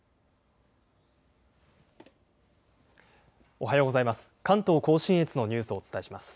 おはようございます。